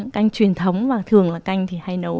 canh truyền thống và thường là canh thì hay nấu